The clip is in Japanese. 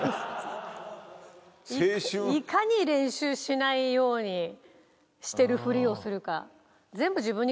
いかに練習しないようにしてるふりをするか。